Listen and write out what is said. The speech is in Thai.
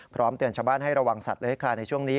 เตือนชาวบ้านให้ระวังสัตว์เลื้อยคลายในช่วงนี้